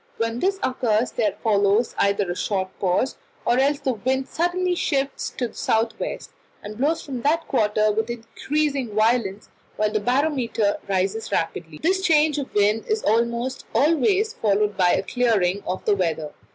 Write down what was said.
When this occurs, there follows either a short pause, or else the wind suddenly shifts to the south west, and blows from that quarter with increasing violence, while the barometer rises rapidly. The change of wind is almost always followed by a clearing of the weather.